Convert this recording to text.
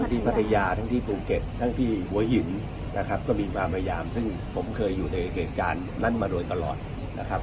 พัทยาทั้งที่ภูเก็ตทั้งที่หัวหินนะครับก็มีความพยายามซึ่งผมเคยอยู่ในเหตุการณ์นั้นมาโดยตลอดนะครับ